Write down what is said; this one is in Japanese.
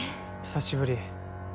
久しぶり。